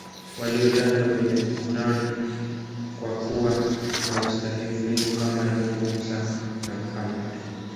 walio tajwa kwenye Quran kwa kuwa na ustahimilivu Kama nuhu mussa na Muhammad